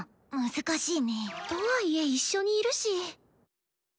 難しいね。とはいえ一緒にいるし。